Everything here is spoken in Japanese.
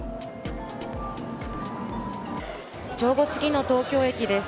正午すぎの東京駅です。